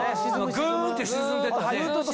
グンって沈んでったね。